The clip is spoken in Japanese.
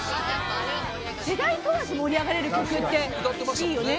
世代問わず盛り上がれる曲っていいよね。